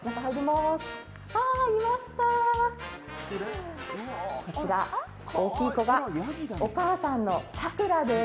いました、こちら、大きい子がお母さんのさくらです。